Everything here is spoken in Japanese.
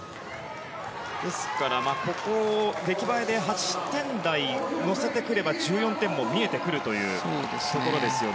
ですから、ここ出来栄えで８点台に乗せてくれば１４点も見えてくるというところですよね。